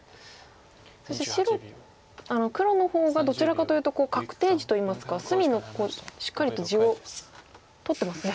そして黒の方がどちらかというと確定地といいますか隅のしっかりと地を取ってますね。